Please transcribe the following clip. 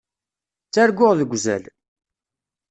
Ttarguɣ deg uzal.